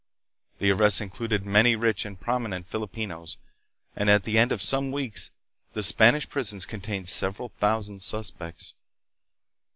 The arrests included many rich and prom inent Filipinos, and at the end of some weeks the Spanish prisons contained several thousand suspects.